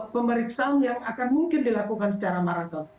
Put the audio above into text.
pemeriksaan yang akan mungkin dilakukan secara maraton